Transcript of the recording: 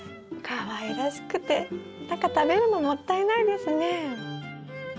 かわいらしくて何か食べるのもったいないですね。